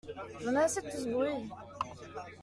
J’en ai assez de tout ce bruit!